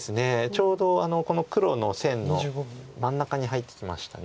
ちょうどこの黒の線の真ん中に入ってきました。